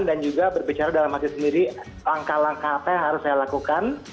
dan juga berbicara dalam hati sendiri langkah langkah apa yang harus saya lakukan